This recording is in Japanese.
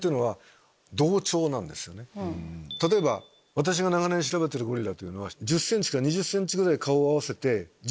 例えば私が長年調べてるゴリラというのは１０ｃｍから２０ｃｍぐらい。